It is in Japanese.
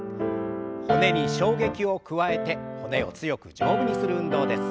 骨に衝撃を加えて骨を強く丈夫にする運動です。